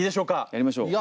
やりましょう。